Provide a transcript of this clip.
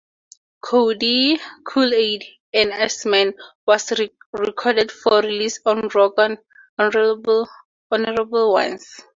"Cody", "Kool-Aid" and "Assman" was re-recorded for release on "Rock on Honorable Ones!!".